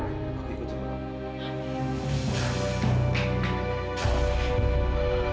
ikut sama aku